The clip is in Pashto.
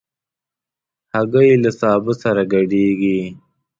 هګۍ له سابه سره ګډېږي.